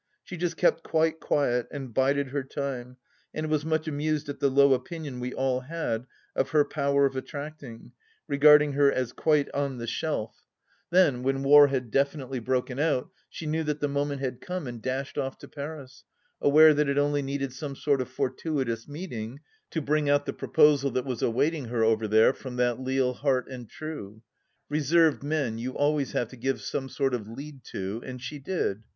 She just kept quite quiet and bided her time, and was much amused at the low opinion we all had of her power of attracting, regarding her as quite on the shelf. THE LAST DITCH 173 Then when war had definitely broken out, she knew that the moment had come, and dashed off to Paris, aware that it only needed some sort of fortuitous meeting to bring out the proposal that was awaiting her over there from that leal heart and true. Reserved men you always have to give some sort of lead to, and she did.